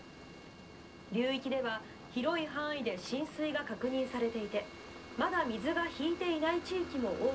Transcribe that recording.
流域では広い範囲で浸水が確認されていてまだ水がひいていない地域も多くあります。